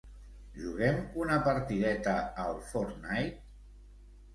Juguem una partideta al "Fortnite"?